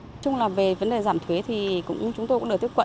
nói chung là về vấn đề giảm thuế thì chúng tôi cũng được tiếp cận